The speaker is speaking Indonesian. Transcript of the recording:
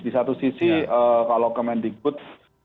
di satu sisi kalau kemendikbud